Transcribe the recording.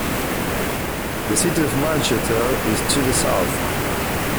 The City of Manchester is to the south.